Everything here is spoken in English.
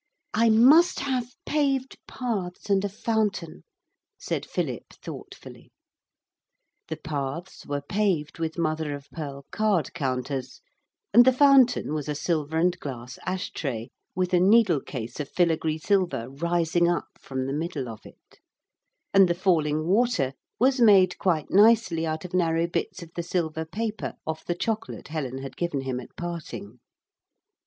'I must have paved paths and a fountain,' said Philip thoughtfully. The paths were paved with mother of pearl card counters, and the fountain was a silver and glass ash tray, with a needlecase of filigree silver rising up from the middle of it; and the falling water was made quite nicely out of narrow bits of the silver paper off the chocolate Helen had given him at parting.